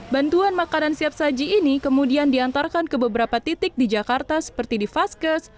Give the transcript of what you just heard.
bantuan makanan siap saji ini kemudian diantarkan ke beberapa titik di jakarta seperti di vaskes